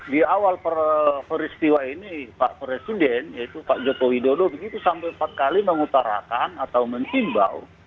di awal peristiwa ini pak presiden yaitu pak joko widodo begitu sampai empat kali mengutarakan atau menghimbau